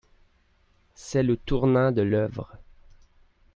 C'est le tournant de l'œuvre.